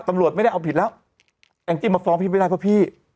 ตำรวจไม่ได้เอาผิดแล้วแองจี้มาฟ้องพี่ไม่ได้เพราะพี่